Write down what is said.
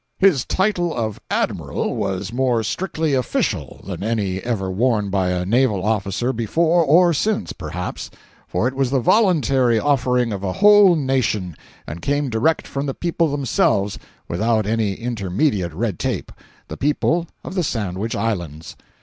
445.jpg (65K) His Title of "Admiral" was more strictly "official" than any ever worn by a naval officer before or since, perhaps—for it was the voluntary offering of a whole nation, and came direct from the people themselves without any intermediate red tape—the people of the Sandwich Islands.